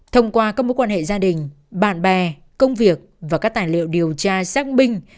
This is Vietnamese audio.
thông qua các mối quan hệ gia đình bạn bè công việc và các tài liệu điều tra xác minh